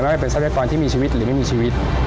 ว่าจะเป็นทรัพยากรที่มีชีวิตหรือไม่มีชีวิต